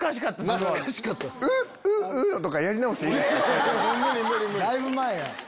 だいぶ前や！